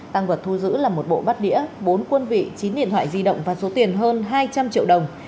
tăng vật thu giữ là một bộ bắt đĩa bốn quân vị chín điện thoại di động và số tiền hơn hai trăm linh triệu đồng